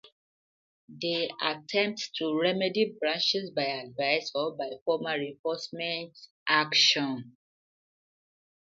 They attempt to remedy breaches by advice or by formal enforcement action.